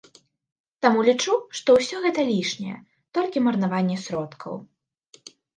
Таму лічу, што ўсё гэта лішняе, толькі марнаванне сродкаў.